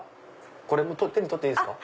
これ手に取っていいですか？